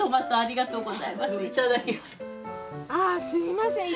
ああすいません